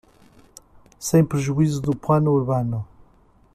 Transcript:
Sem prejuízo do plano urbano